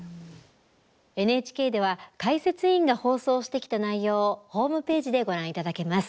ＮＨＫでは解説委員が放送してきた内容をホームページでご覧いただけます。